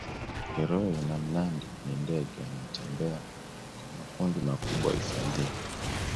heroe na mnandi ni ndege wanaotembea kwa makundi makubwa hifadhini